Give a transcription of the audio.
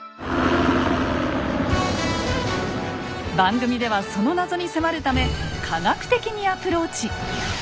番組ではその謎に迫るため科学的にアプローチ！